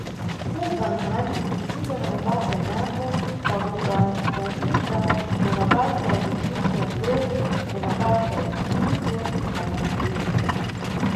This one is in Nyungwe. Kubza Nkhani, kudziwisidwa, na mabasa enango, pakukanthaniza na mabasa ya michini ya ndzeru na mabasa ya thandizo la kanʼfulumize.